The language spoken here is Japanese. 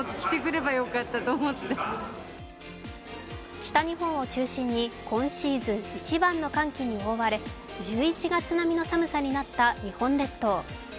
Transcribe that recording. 北日本を中心に今シーズン一番の寒気に覆われ、１１月並みの寒さになった日本列島。